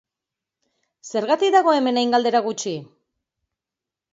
Zergatik dago hemen hain galdera gutxi?